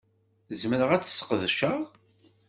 Zemreɣ ad tt-sqedceɣ?